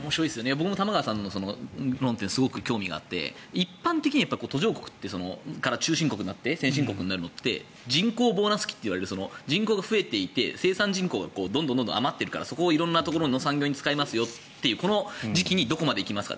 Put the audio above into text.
僕も玉川さんの論点に興味があって一般的には途上国から中進国になって先進国になるのって人口ボーナス期って言われる人口が増えていって生産人口がどんどん余っているからそこを色んな産業に使っていきましょうというこの時期にどこまで行くか。